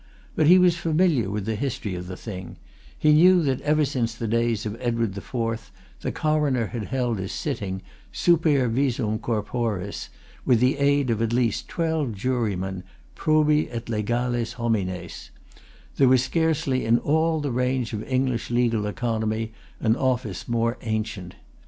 But he was familiar with the history of the thing he knew that ever since the days of Edward IV the Coroner had held his sitting, super visum corporis, with the aid of at least twelve jurymen, probi et legales homines, there was scarcely in all the range of English legal economy an office more ancient.